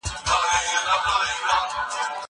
زه به د کتابتون پاکوالی کړی وي؟